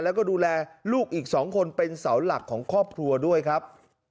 แล้วก็ดูแลลูกอีก๒คนเป็นเสาหลักของครอบครัวด้วยครับ